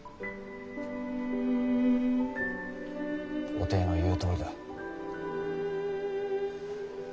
おていの言うとおりだ。